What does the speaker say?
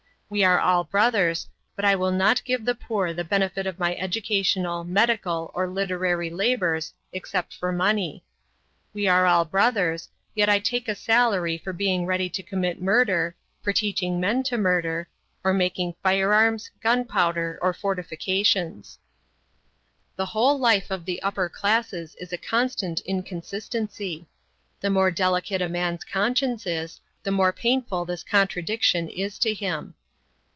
We are all brothers, but I will not give the poor the benefit of my educational, medical, or literary labors except for money. We are all brothers, yet I take a salary for being ready to commit murder, for teaching men to murder, or making firearms, gunpowder, or fortifications. The whole life of the upper classes is a constant inconsistency. The more delicate a man's conscience is, the more painful this contradiction is to him.